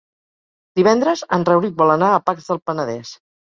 Divendres en Rauric vol anar a Pacs del Penedès.